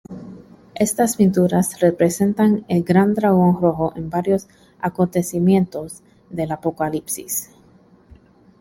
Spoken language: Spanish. Estas pinturas representan 'El Gran Dragón Rojo' en varios acontecimientos del Apocalipsis.